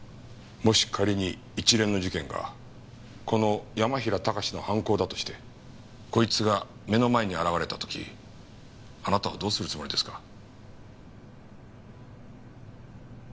もし仮に一連の事件がこの山平隆志の犯行だとしてこいつが目の前に現れた時あなたはどうするつもりですか？